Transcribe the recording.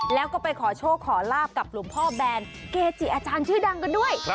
แล้วก็ไปขอโชคขอลาบกับหลวงพ่อแบนเกจิอาจารย์ชื่อดังกันด้วย